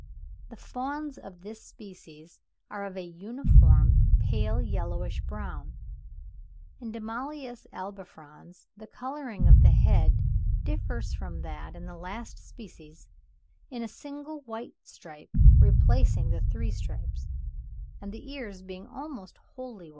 The fawns of this species are of a uniform pale yellowish brown. In Damalis albifrons the colouring of the head differs from that in the last species in a single white stripe replacing the three stripes, and in the ears being almost wholly white.